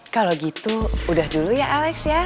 kalau gitu udah dulu ya alex ya